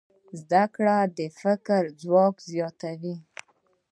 زده کړه د فکر ځواک زیاتوي.